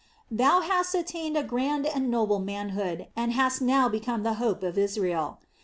"Thou hast attained a grand and noble manhood, and hast now become the hope of Israel.